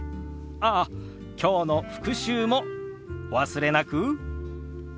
ああきょうの復習もお忘れなく。